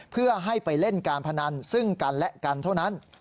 เพื่อให้ไปเล่นการพนันซึ่งกันและกันเท่านั้น